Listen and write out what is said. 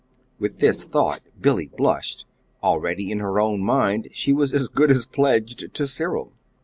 With this thought, Billy blushed already in her own mind she was as good as pledged to Cyril.